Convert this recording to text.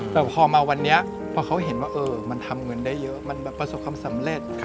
แต่พอมาวันนี้พอเขาเห็นว่ามันทำเงินได้เยอะมันแบบประสบความสำเร็จ